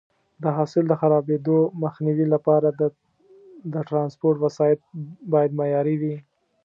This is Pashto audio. د حاصل د خرابېدو مخنیوي لپاره د ټرانسپورټ وسایط باید معیاري وي.